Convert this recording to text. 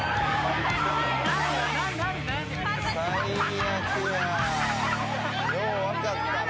最悪や。よう分かったな。